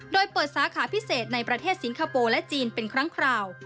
โดยเปิดสาขาพิเศษในประเทศสิงคโปร์และจีนเป็นครั้งคราว